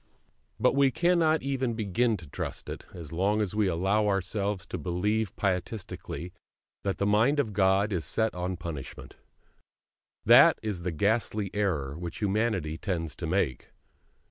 But we cannot even begin to trust it, as long as we allow ourselves to believe pietistically that the Mind of God is set on punishment. That is the ghastly error which humanity tends to make.